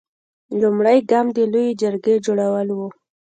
لومړنی ګام د لویې جرګې جوړول و.